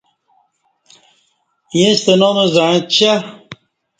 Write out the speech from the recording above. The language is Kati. ییݩستہ نام زعݩچہ۔